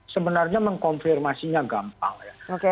sebenarnya mengkonfirmasinya gampang ya